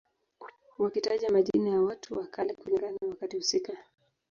Wakitaja majina ya watu wa kale kulingana na wakati husika